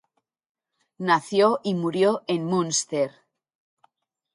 Nació y murió en Münster.